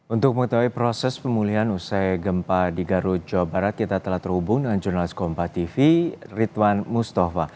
untuk mengetahui proses pemulihan usai gempa di garut jawa barat kita telah terhubung dengan jurnalis kompativity ridwan mustafa